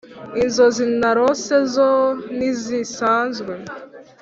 inzozi narose zo ntizisanzwe !